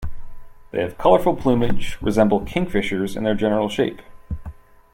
They have colourful plumage, resemble kingfishers in their general shape.